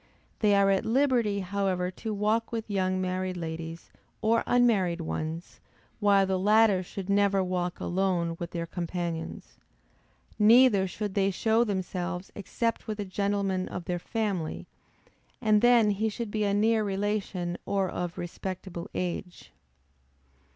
They are at liberty however to walk with young married ladies or unmarried ones, while the latter should never walk alone with their companions. Neither should they show themselves except with a gentleman of their family, and then he should be a near relation or of respectable age.